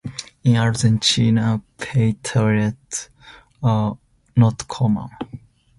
In Argentina, pay toilets are not common.